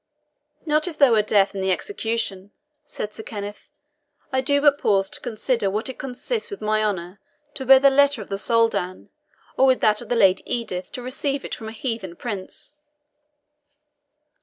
"Not if there were death in the execution," said Sir Kenneth. "I do but pause to consider whether it consists with my honour to bear the letter of the Soldan, or with that of the Lady Edith to receive it from a heathen prince."